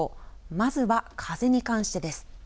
まずは風に関してです。